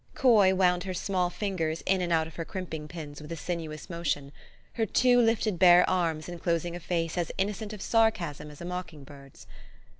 Coy wound her small fingers in and out of her crimping pins with a sinuous motion ; her two lifted bare arms enclosing a face as innocent of sarcasm as a mocking bird's.